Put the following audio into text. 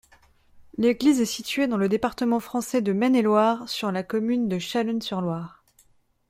L'église est située dans le département français de Maine-et-Loire, sur la commune de Chalonnes-sur-Loire.